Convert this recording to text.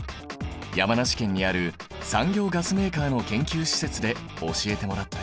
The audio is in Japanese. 山梨県にある産業ガスメーカーの研究施設で教えてもらったよ。